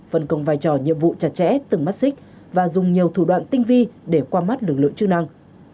phân công vai trò nhiệm vụ chặt chẽ từng mắt xích và dùng nhiều thủ đoạn tinh vi để qua mắt lực lượng chức năng